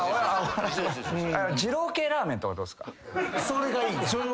それがいい。